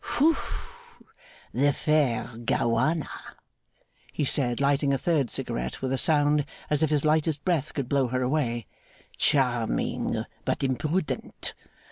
'Whoof! The fair Gowana!' he said, lighting a third cigarette with a sound as if his lightest breath could blow her away. 'Charming, but imprudent!